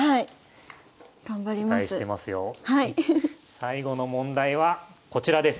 最後の問題はこちらです。